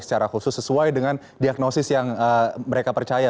secara khusus sesuai dengan diagnosis yang mereka percaya